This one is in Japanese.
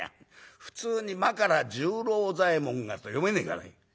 普通に『真柄十郎左衛門が』と読めねえかね」。